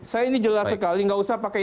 saya ini jelas sekali nggak usah pakai